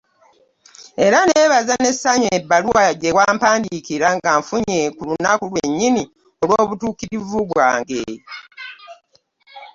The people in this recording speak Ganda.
Era nneebaza n'essanyu ebbaluwa gye wampandiikira, ngifunye ku lunaku lwennyini olw'Omutuukirivu wange.